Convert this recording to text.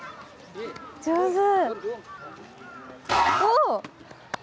上手！